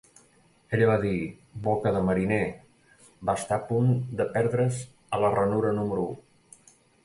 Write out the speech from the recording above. Ella va dir "Boca de mariner", va estar a punt de perdre"s a la ranura número u.